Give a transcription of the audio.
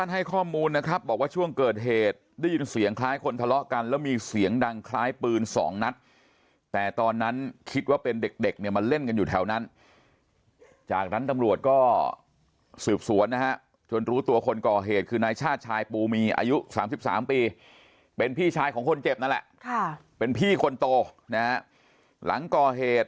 โทรแจ้งตำรวจให้มาช่วยเหลือ